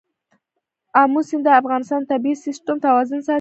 آمو سیند د افغانستان د طبعي سیسټم توازن ساتي.